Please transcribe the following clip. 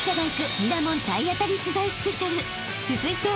［続いては］